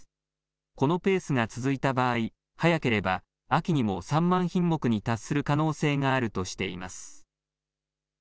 このペースが続いた場合、早ければ秋にも３万品目に達する可能性があるとしています。